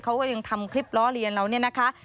เขาก็ยังทำคลิปล้อเลียนเราเนี่ยนะคะ